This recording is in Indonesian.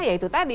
ya itu tadi